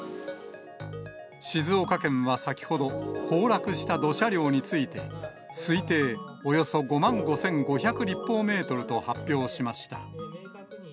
静岡県は先ほど、崩落した土砂量について、推定およそ５万５５００立法メートルと発表しました。